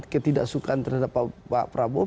ketidaksukaan terhadap pak prabowo